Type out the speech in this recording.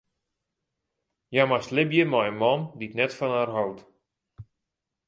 Hja moast libje mei in man dy't net fan har hold.